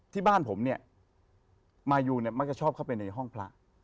ที่บ้านผมเนี่ยมายูเนี่ยมักจะชอบเข้าไปในห้องพระ